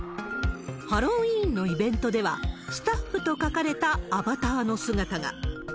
ハロウィーンのイベントでは、スタッフと書かれたアバターの姿が。